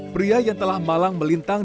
pria yang telah malang melintang